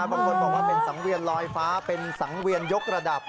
บางคนบอกว่าเป็นสังเวียนลอยฟ้าเป็นสังเวียนยกระดับ